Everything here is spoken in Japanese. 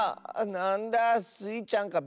なんだスイちゃんか。